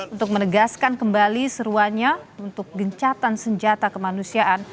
untuk menegaskan kembali seruannya untuk gencatan senjata kemanusiaan